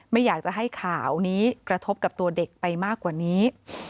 ไม่อยากจะให้ข่าวนี้กระทบกับตัวเด็กไปมากกว่านี้